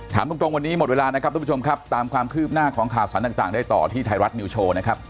ถามตรงวันนี้หมดเวลานะครับทุกผู้ชมครับตามความคืบหน้าของข่าวสารต่างได้ต่อที่ไทยรัฐนิวโชว์นะครับ